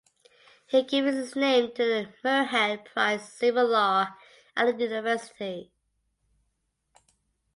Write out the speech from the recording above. He gives his name to the Muirhead Prize in Civil Law at the University.